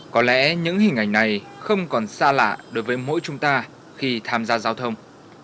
có lẽ những hình ảnh này không còn xa lạ đối với mỗi chúng ta khi tham gia giao thông